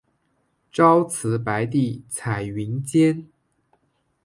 朝辞白帝彩云间